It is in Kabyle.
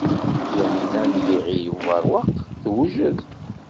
Yamina n Yiɣil Ubeṛwaq tewjed.